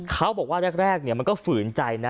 เขาบอกว่าแรกมันก็ฝืนใจนะ